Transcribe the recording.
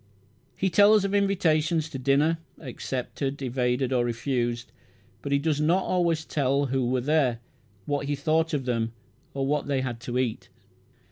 He tells of invitations to dinner, accepted, evaded, or refused; but he does not always tell who were there, what he thought of them, or what they had to eat.